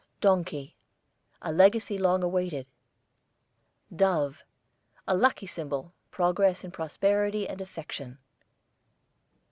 DONKEY, a legacy long awaited. DOVE, a lucky symbol; progress in prosperity and affection.